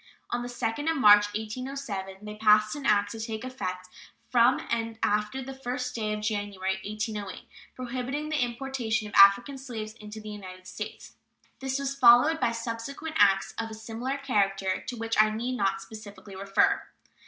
On the 2d of March, 1807, they passed an act, to take effect "from and after the 1st day of January, 1808," prohibiting the importation of African slaves into the United States. This was followed by subsequent acts of a similar character, to which I need not specially refer.